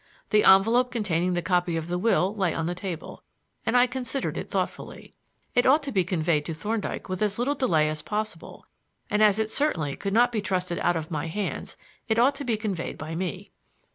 The envelope containing the copy of the will lay on the table, and I considered it thoughtfully. It ought to be conveyed to Thorndyke with as little delay as possible, and, as it certainly could not be trusted out of my hands, it ought to be conveyed by me.